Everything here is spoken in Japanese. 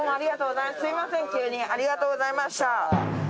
すみません急にありがとうございました。